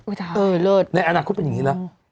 เออล่ะอาจคุดเป็นอย่างนี้แล้ว